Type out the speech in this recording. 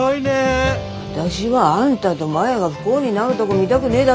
私はあんたとマヤが不幸になるどこ見だくねだけだ。